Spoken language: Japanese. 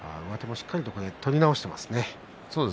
しっかりと取り直していますね、上手を。